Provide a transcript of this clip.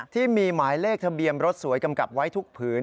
ที่มีหมายเลขทะเบียนรถสวยกำกับไว้ทุกผืน